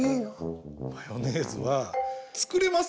マヨネーズはつくれます！